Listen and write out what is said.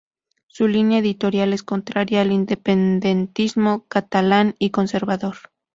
Su línea editorial es contraria al independentismo catalán y conservador.